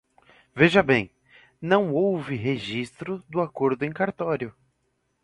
Veja bem, não houve registro do acordo em cartório.